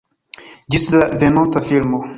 Ĝis la venonta filmo